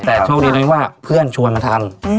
แต่โชคดีรู้ไม่ว่าเพื่อนชวนมาทำ